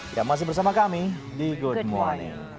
ya masih bersama kami di good morning